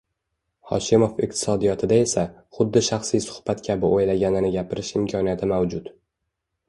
Hoshimov Iqtisodiyotida esa, xuddi shaxsiy suhbat kabi o‘ylaganini gapirish imkoniyati mavjud.